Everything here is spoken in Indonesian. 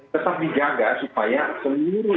tetap dijaga supaya seluruh